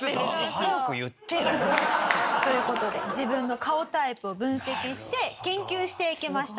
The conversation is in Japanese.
早く言ってよ。という事で自分の顔タイプを分析して研究していきました。